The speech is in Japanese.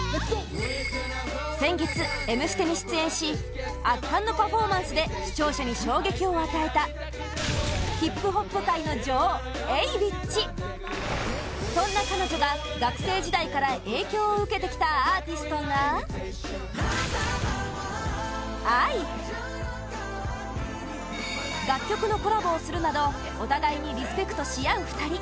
先月、「Ｍステ」に出演し圧巻のパフォーマンスで視聴者に衝撃を与えたＨＩＰＨＯＰ界の女王Ａｗｉｃｈそんな彼女が学生時代から影響を受けてきたアーティストが、ＡＩ楽曲のコラボをするなどお互いにリスペクトし合う２人